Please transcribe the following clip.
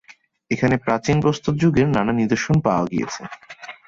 এখানে প্রাচীন প্রস্তর যুগের নানা নিদর্শন পাওয়া গিয়েছে।